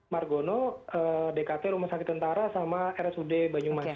margono dkt rumah sakit tentara sama rsud banyumas